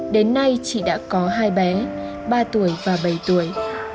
đến nay chị đã có hai bé ba tuổi và bảy tuổi